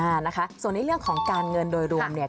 อ่านะคะส่วนในเรื่องของการเงินโดยรวมเนี่ย